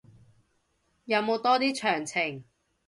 有冇多啲詳情